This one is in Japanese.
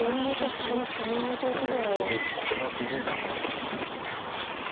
そういうことも十分考えられます。